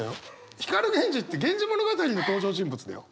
光源氏って「源氏物語」の登場人物だよ。